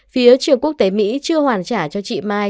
phía trường quốc tế mỹ chưa hoàn trả cho chị mai